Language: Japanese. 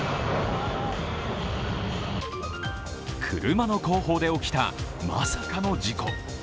車の後方で起きたまさかの事故。